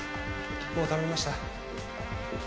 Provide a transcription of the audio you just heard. もう頼みました？